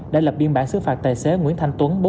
đã lập biên bản xứ phạt tài xế nguyễn thanh tuấn